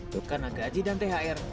tuh karena gaji dan thr